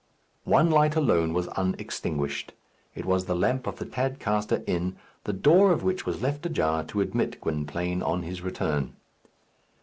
One light alone was unextinguished. It was the lamp of the Tadcaster Inn, the door of which was left ajar to admit Gwynplaine on his return.